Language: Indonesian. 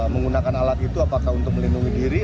menggunakan alat itu apakah untuk melindungi diri